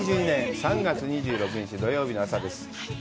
２０２２年３月２６日土曜日の朝です。